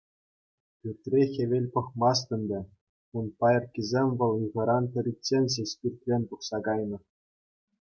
Пӳртре хӗвел пӑхмасть ӗнтӗ, ун пайӑркисем вӑл ыйхӑран тӑриччен ҫеҫ пӳртрен тухса кайнӑ.